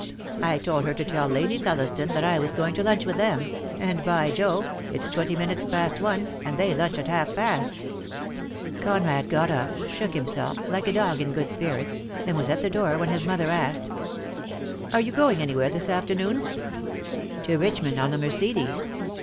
I told her to tell Lady Thelliston that I was going to DEAD LOVE HAS CHAINS. 1 93 lunch with them, and, by Jove! it's twenty minutes past one, and they lunch at half past." Conrad got up, shook himself, like a dog in good spirits, and was at the door when his mother asked : "Are you going anywhere this afternoon?" "To Richmond on the Mercedes.